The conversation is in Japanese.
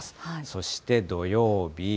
そして、土曜日。